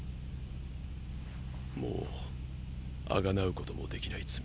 もう贖うこともできない罪だ。